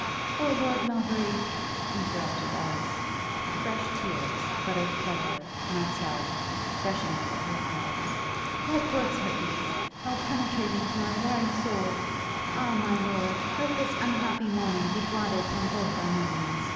'Oh Lord Melbury!' interrupted Ellis, fresh tears, but of pleasure, not sorrow, gushing into her eyes; 'what words are these! how penetrating to my very soul! Ah, my lord, let this unhappy morning be blotted from both our memories!